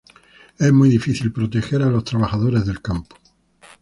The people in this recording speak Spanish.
Es muy difícil proteger a los trabajadores del campo.